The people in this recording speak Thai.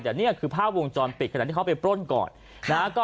แต่นี่คือภาพวงจรปิดขณะที่เขาไปปล้นก่อนนะฮะ